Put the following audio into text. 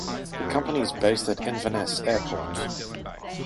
The company is based at Inverness Airport.